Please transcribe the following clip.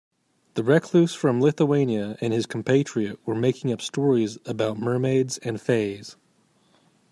The recluse from Lithuania and his compatriot were making up stories about mermaids and fays.